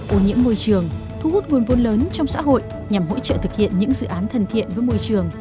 ô nhiễm môi trường thu hút nguồn vôn lớn trong xã hội nhằm hỗ trợ thực hiện những dự án thân thiện với môi trường